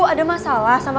ada masalah sama kerja